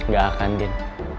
gak akan din